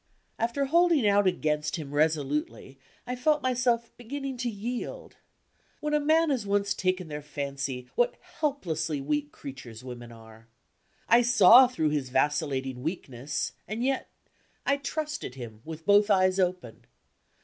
After holding out against him resolutely, I felt myself beginning to yield. When a man has once taken their fancy, what helplessly weak creatures women are! I saw through his vacillating weakness and yet I trusted him, with both eyes open.